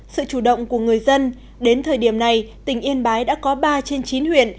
sự chủ động của người dân đến thời điểm này tỉnh yên bái đã có ba trên chín huyện